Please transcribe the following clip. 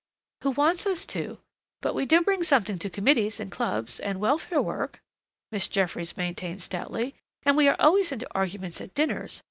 "Who wants us to? But we do bring something to committees and clubs and and welfare work," Miss Jeffries maintained stoutly. "And we are always into arguments at dinners.